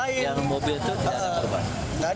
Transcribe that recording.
yang mobil itu tidak ada korban